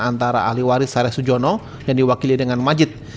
antara ahli waris sareh sujono yang diwakili dengan majid